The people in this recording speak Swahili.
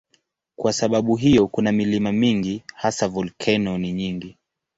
Kwa sababu hiyo kuna milima mingi, hasa volkeno ni nyingi.